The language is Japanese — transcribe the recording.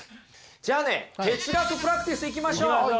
じゃあね哲学プラクティスいきましょう！